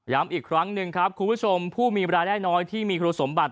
อีกครั้งหนึ่งครับคุณผู้ชมผู้มีรายได้น้อยที่มีคุณสมบัติ